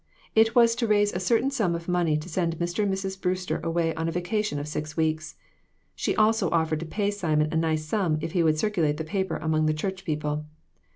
It was to raise a certain sum of money to send Mr. and Mrs. Brewster away on a vacation of six weeks. She also offered to pay Simon a nice sum if he would circulate the paper among the church people.